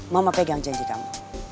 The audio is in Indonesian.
mama pegang janji kamu